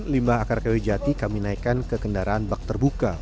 limbah akar kayu jati kami naikkan ke kendaraan bak terbuka